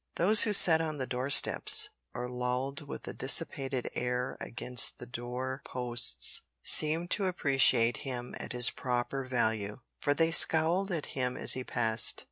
Those who sat on the doorsteps, or lolled with a dissipated air against the door posts, seemed to appreciate him at his proper value, for they scowled at him as he passed.